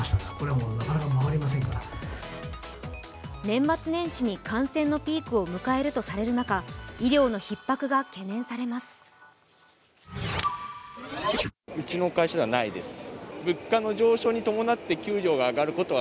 年末年始に感染のピークを迎えるとされる中、医療のひっ迫が懸念されます。